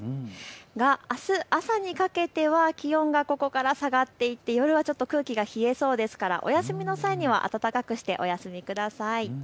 が、あす朝にかけては気温がここから下がっていって夜はちょっと空気が冷えそうですからお休みの際には暖かくしてお休みください。